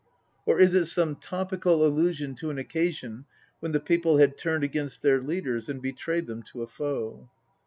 or is it some topical allusion to an occasion when the people had turned against their leaders, and betrayed them to a foe